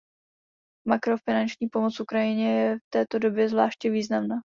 Makrofinanční pomoc Ukrajině je v této době zvláště významná.